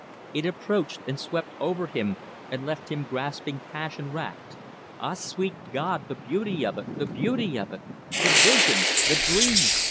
It approached and swept over him and left him gasping passion racked. Ah, sweet God, the beauty of it! the beauty of it! the vision! the dream!